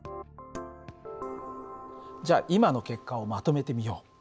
じゃあ今の結果をまとめてみよう。